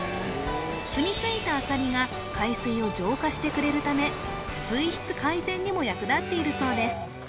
すみついたアサリが海水を浄化してくれるため水質改善にも役立っているそうです